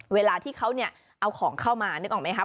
เวลาที่เขาเอาของเข้ามานึกออกไหมครับ